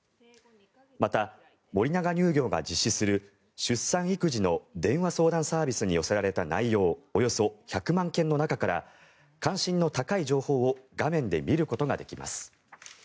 また、森永乳業が実施する出産・育児の電話相談サービスに寄せられた内容およそ１００万件の中から関心の高い情報を画面で見ることができます。